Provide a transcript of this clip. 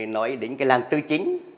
nói đến cái làng tư chính